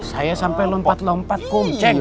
saya sampai lompat lompat kum ceng